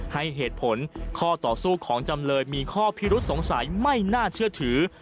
ให้เหตุผลข้อต่อสู้ของจำเลยมีข้อพิรุษสงสัยไม่น่าเชื่อถือ